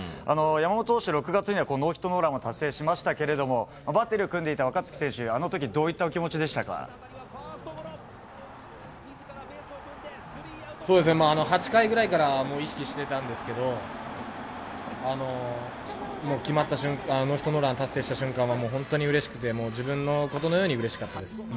山本投手、６月には、ノーヒットノーランを達成しましたけれども、バッテリーを組んでいた若月選手、あのとき、どういったお気持ちで８回ぐらいから、もう意識してたんですけど、もう決まった瞬間、ノーヒットノーランを達成した瞬間はもう本当にうれしくて、もう自分のことのように、うれしかったです。